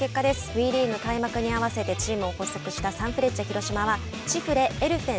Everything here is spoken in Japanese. ＷＥリーグ開幕に合わせてチームを発足したサンフレッチェ広島はちふれエルフェン